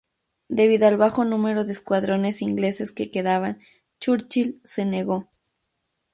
Debido al bajo número de escuadrones ingleses que quedaban, Churchill se negó.